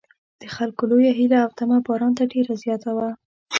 د خلکو لویه هیله او تمه باران ته ډېره زیاته وه.